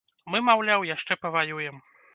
Мы, маўляў, яшчэ паваюем.